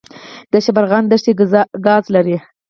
د شبرغان دښتې ګاز لري